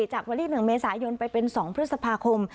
จากวันที่๑เมษายนไปเป็น๒พฤษภาคม